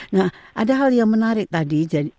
nah ada hal yang menarik tadi